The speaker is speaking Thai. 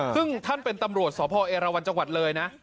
ซึ่งท่านเป็นตำรวจสพเอราวันจังหวัดเลยนะ